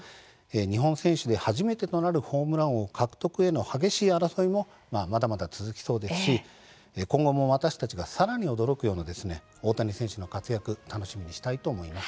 日本選手で初めてとなるホームラン王獲得への激しい争いもまだまだ続きそうですし今後も私たちがさらに驚くような大谷選手の活躍楽しみにしたいと思います。